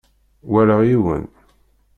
Walaɣ yiwen.